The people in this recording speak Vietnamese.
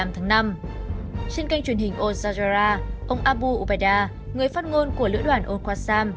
trên kênh truyền hình osagera ông abu ubaidah người phát ngôn của lưỡi đoàn osagera